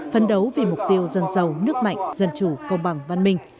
phấn đấu vì mục tiêu dân giàu nước mạnh dân chủ công bằng văn minh